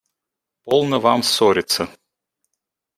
– Полно вам ссориться.